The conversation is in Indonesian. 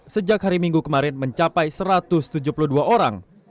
sejak hari minggu kemarin mencapai satu ratus tujuh puluh dua orang